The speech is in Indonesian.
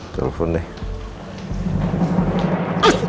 semoga dia bisa berhasil